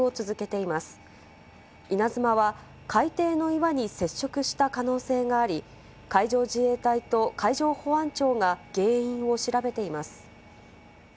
いなづまは、海底の岩に接触した可能性があり、海上自衛隊と海上保安庁が原因を調べています。